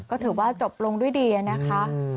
ก็ถือว่าจบลงด้วยดีนะคะ